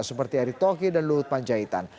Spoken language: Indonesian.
seperti erick tokir dan luhut panjaitan